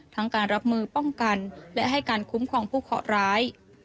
การรับมือป้องกันและให้การคุ้มครองผู้เคาะร้าย